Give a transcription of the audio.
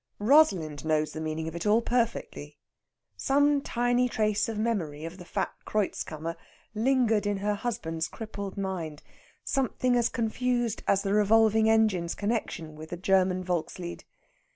Rosalind knows the meaning of it all perfectly. Some tiny trace of memory of the fat Kreutzkammer lingered in her husband's crippled mind something as confused as the revolving engine's connexion with the German volkslied.